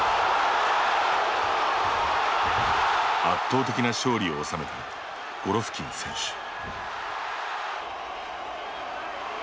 圧倒的な勝利を収めたゴロフキン選手。